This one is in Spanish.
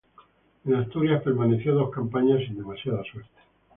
En Asturias permaneció dos campañas sin demasiada suerte.